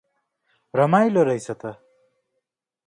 रमाइलो रैछ त ।